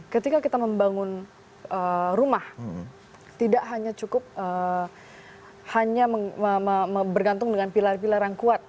ketika kita membangun rumah tidak hanya cukup hanya bergantung dengan pilar pilar yang kuat